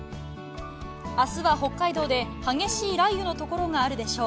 明日は北海道で激しい雷雨のところがあるでしょう。